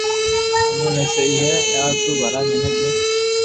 ايم تو سھي ھي يار تو ٻلو منيک ھي